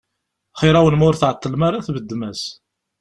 Xir-awen ma ur tεeṭṭlem ara tbeddem-as.